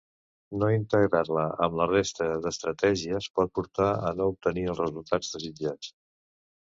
No integrar-la amb la resta d'estratègies pot portar a no obtenir els resultats desitjats.